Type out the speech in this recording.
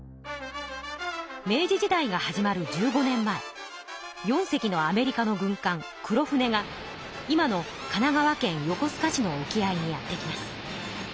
明治時代が始まる１５年前４せきのアメリカの軍かん黒船が今の神奈川県横須賀市の沖合にやって来ます。